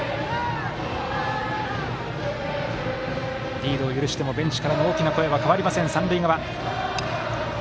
リードを許してもベンチからの大きな声は変わりません、三塁側。